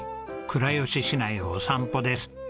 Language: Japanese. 倉吉市内をお散歩です。